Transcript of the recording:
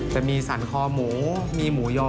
จะมีสรรคอหมูมีหมูยอ